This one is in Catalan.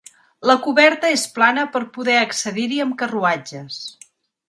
La coberta és plana per poder accedir-hi amb carruatges.